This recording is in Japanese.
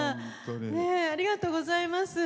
ありがとうございます。